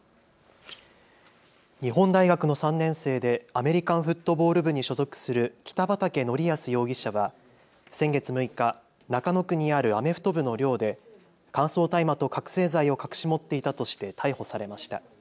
日本大学の３年生でアメリカンフットボール部に所属する北畠成文容疑者は先月６日、中野区にあるアメフト部の寮で乾燥大麻と覚醒剤を隠し持っていたとして逮捕されました。